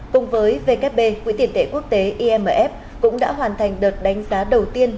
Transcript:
cùng với vkp quỹ tiền tệ quốc tế imf cũng đã hoàn thành đợt đánh giá đầu tiên